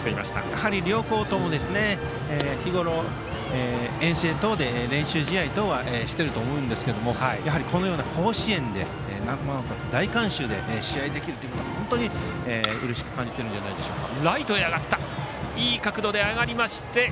やはり両校とも日ごろ遠征等で練習試合をしていると思いますがこのような甲子園でなおかつ大歓声の中で試合できるというのは本当にうれしく感じているんじゃないんでしょうか。